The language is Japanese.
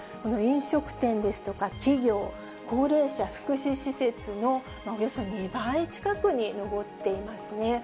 飲食店ですとか企業、高齢者福祉施設のおよそ２倍近くに上っていますね。